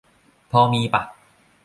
พอมีป่ะ ?